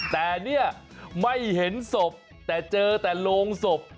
แต่เนี่ยไม่เห็นศพแต่เจอแต่โรงศพ